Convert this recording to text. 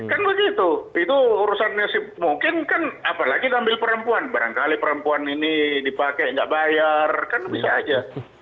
kan begitu itu urusan nasib mungkin kan apalagi ambil perempuan barangkali perempuan ini dipakai nggak bayar kan bisa aja